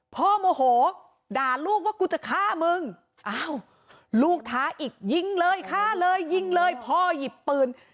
โมโหด่าลูกว่ากูจะฆ่ามึงอ้าวลูกท้าอีกยิงเลยฆ่าเลยยิงเลยพ่อหยิบปืน